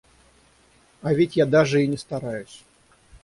А ведь я даже и не стараюсь.